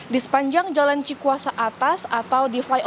di sepanjang jalan cikuasa atas atau di flyover